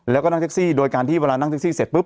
แล้วก็นั่งแท็กซี่โดยการที่เวลานั่งแท็กซี่เสร็จปุ